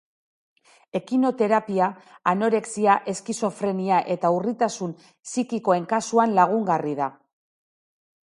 Ekinoterapia anorexia, eskizofrenia, eta urritasun psikikoen kasuan lagungarri da.